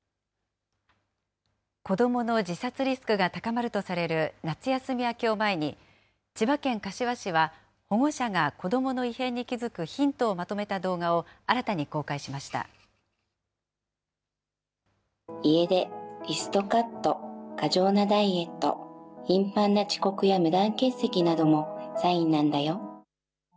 子どもの自殺リスクが高まるとされる夏休み明けを前に、千葉県柏市は、保護者が子どもの異変に気付くヒントをまとめた動画を新たに公開家出、リストカット、過剰なダイエット、頻繁な遅刻や無断欠席などもサインなんだよ。